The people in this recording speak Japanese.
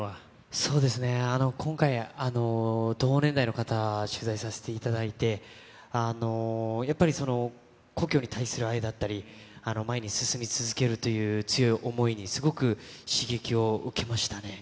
そうですね、今回、同年代の方、取材させていただいて、やっぱり、故郷に対する愛だったり、前に進み続けるという強い想いに、すごく刺激を受けましたね。